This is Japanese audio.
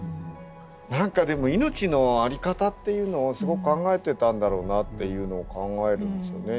何かでも命のあり方っていうのをすごく考えてたんだろうなっていうのを考えるんですよね。